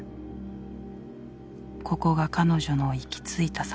ここが彼女の行き着いた先